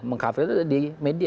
meng cover itu di media